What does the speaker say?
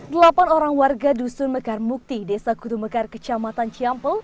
delapan orang warga dusun mekar mukti desa kutumekar kecamatan ciampel